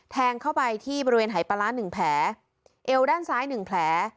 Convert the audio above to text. แทงเข้าไปที่บริเวณหายปลาร้าหนึ่งแผลเอวด้านซ้ายหนึ่งแผล